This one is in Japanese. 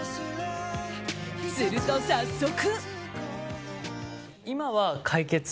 すると、早速。